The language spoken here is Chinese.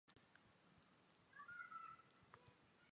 第一次尼西亚公会议召开的基督教大公会议。